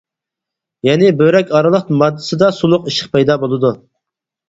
يەنى بۆرەك ئارىلىق ماددىسىدا سۇلۇق ئىششىق پەيدا بولىدۇ.